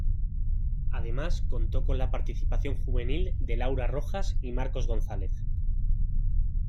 Además contó con la participación juvenil de Laura Rojas y Marcos González.